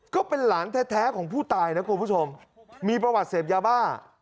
ก็เป็นหลานแท้ของผู้ตายนะคุณผู้ชมมีประวัติเสพยาบ้า